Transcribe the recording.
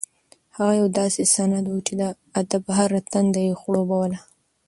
هغه یو داسې سیند و چې د ادب هره تنده یې خړوبوله.